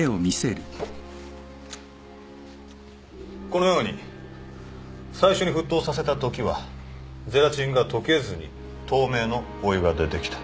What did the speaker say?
このように最初に沸騰させたときはゼラチンが溶けずに透明のお湯が出てきた。